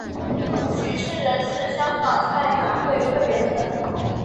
许仕仁是香港赛马会会员等。